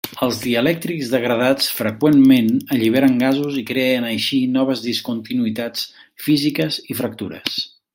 Els dielèctrics degradats freqüentment alliberen gasos i creen així noves discontinuïtats físiques i fractures.